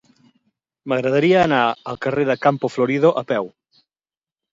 M'agradaria anar al carrer de Campo Florido a peu.